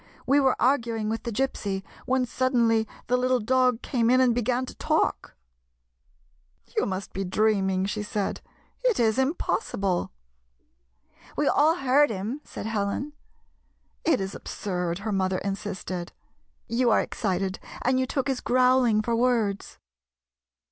" We were arguing with the Gypsy when sud denly the little dog came in and began to talk ."" You must be dreaming," she said. " It is impossible." "We all heard him," said Helen. " It is absurd," her mother insisted. " You 64 THE GYPSY'S FLIGHT are excited, and you took his growling for words."